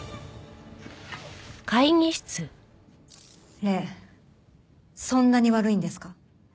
礼そんなに悪いんですか？